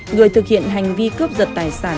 người thực hiện hành vi cướp giật tài sản